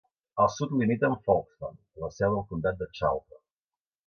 Al sud limita amb Folkston, la seu del comtat de Charlton.